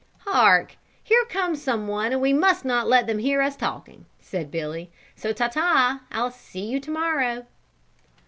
"Hark, here comes some one and we must not let them hear us talking," said Billy, "So ta ta, I'll see you to morrow."